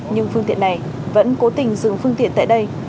nhưng phương tiện này vẫn cố tình dừng phương tiện tại đây